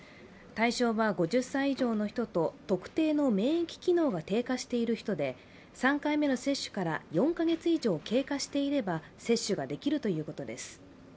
対象は５０歳以上の人と特定の免疫機能が低下している人で３回目の接種から４カ月以上経過していれば接種ができるということです。